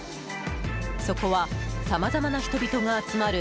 そこはさまざまな人々が集まる